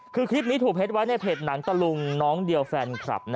คือคลิปนี้ถูกเพชรไว้ในเพจหนังตะลุงน้องเดียวแฟนคลับ